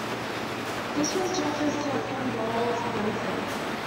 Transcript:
This was Jeffers' second goal for Wednesday.